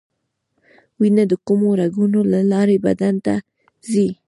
وینه د کومو رګونو له لارې بدن ته ځي